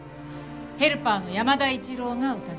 ヘルパーの山田一郎が疑われた。